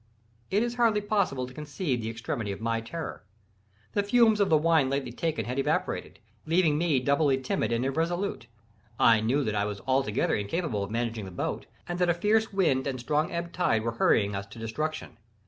It is hardly possible to conceive the extremity of my terror. The fumes of the wine lately taken had evaporated, leaving me doubly timid and irresolute. I knew that I was altogether incapable of managing the boat, and that a fierce wind and strong ebb tide were hurrying us to destruction.